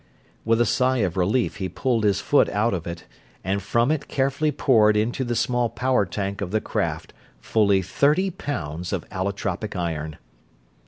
With a sigh of relief he pulled his foot out of it, and from it carefully poured into the small power tank of the craft fully thirty pounds of allotropic iron!